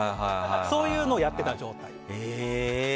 そういうのをやっていた状態で。